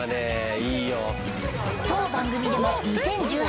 当番組でも２０１８年に潜入